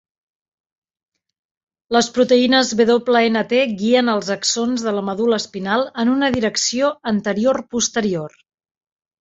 Les proteïnes Wnt guien els axons de la medul·la espinal en una direcció anterior-posterior.